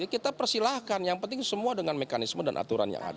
kita persilahkan yang penting semua dengan mekanisme dan aturan yang ada